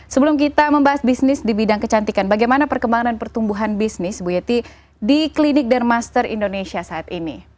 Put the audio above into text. sebelum kita membahas bisnis di bidang kecantikan bagaimana perkembangan pertumbuhan bisnis bu yeti di klinik dermaster indonesia saat ini